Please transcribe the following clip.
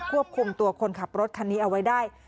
ควบคุมตัวคนขับรถคันนี้เอาไว้ได้